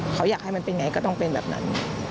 เขาอยากให้มันเป็นไงก็ต้องเป็นแบบนั้น